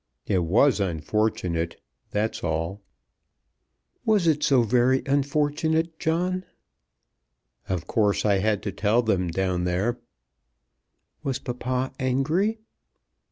"It was unfortunate that's all." "Was it so very unfortunate, John?" "Of course I had to tell them down there." "Was papa angry?"